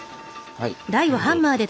はい。